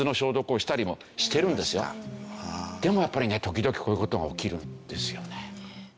でもやっぱりね時々こういう事が起きるんですよね。